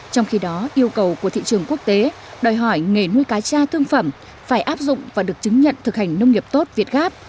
trong khi đó yêu cầu của thị trường quốc tế đòi hỏi nghề nuôi cá cha thương phẩm phải áp dụng và được chứng nhận thực hành nông nghiệp tốt việt gáp